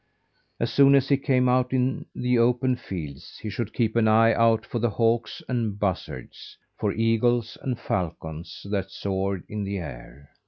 As soon as he came out in the open fields, he should keep an eye out for hawks and buzzards; for eagles and falcons that soared in the air.